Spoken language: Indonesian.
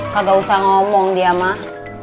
kata usah ngomong diamah